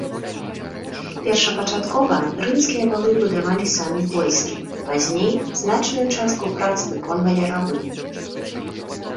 Першапачаткова рымскія валы будавалі самі войскі, пазней значную частку прац выконвалі рабы.